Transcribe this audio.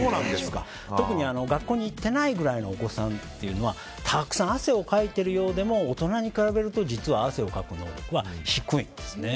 特に学校に行ってないぐらいのお子さんというのはたくさん汗をかいてるようでも大人に比べると実は汗をかく能力は低いんですね。